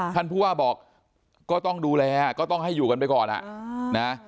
ท่านผู้ว่าบอกก็ต้องดูแลก็ต้องให้อยู่กันไปก่อนอ่ะนะ